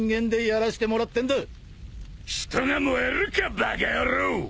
人が燃えるかバカ野郎！